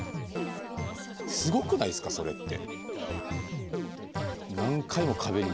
すごくないですかそれって。